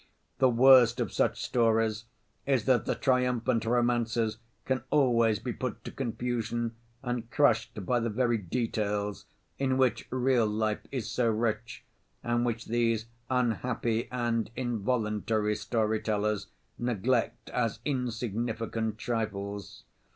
The worst of such stories is that the triumphant romancers can always be put to confusion and crushed by the very details in which real life is so rich and which these unhappy and involuntary story‐tellers neglect as insignificant trifles.